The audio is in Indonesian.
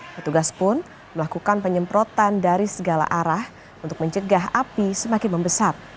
petugas pun melakukan penyemprotan dari segala arah untuk mencegah api semakin membesar